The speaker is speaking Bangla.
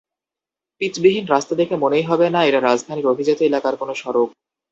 পিচবিহীন রাস্তা দেখে মনেই হবে না, এটা রাজধানীর অভিজাত এলাকার কোনো সড়ক।